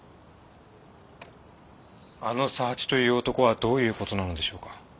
あの佐八という男はどういう事なのでしょうか？